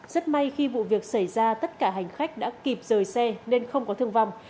rất may khi vụ việc xảy ra tất cả hành khách đã kịp rời xe nên không có thương vong